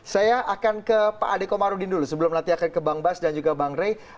saya akan ke pak ade komarudin dulu sebelum nanti akan ke bang bas dan juga bang rey